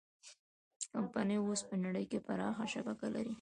کمپنۍ اوس په نړۍ کې پراخه شبکه لري.